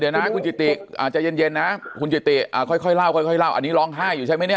เดี๋ยวนะคุณจิตติจะเย็นนะคุณจิตตี้เข้าให้เล่าอันนี้ลองไห้อยู่ใช่มั้ยครับ